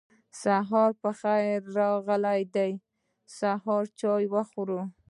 سهار پخير ښاغلی دی سهار چای خوری